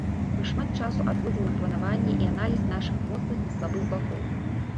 Мы шмат часу адводзім на планаванне і аналіз нашых моцных і слабых бакоў.